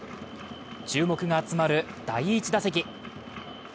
注目が集まる第１打席。